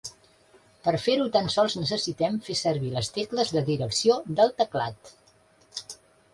Per fer-ho, tan sols necessitem fer servir les tecles de direcció del teclat.